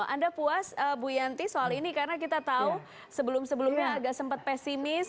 anda puas bu yanti soal ini karena kita tahu sebelum sebelumnya agak sempat pesimis